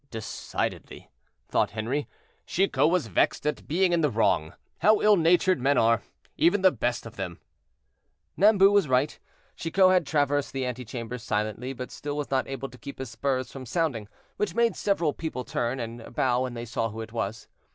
"Decidedly," thought Henri, "Chicot was vexed at being in the wrong. How ill natured men are, even the best of them." Nambu was right; Chicot had traversed the antechambers silently, but still he was not able to keep his spurs from sounding, which made several people turn, and bow when they saw who it was.